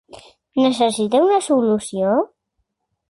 Necessita una solució?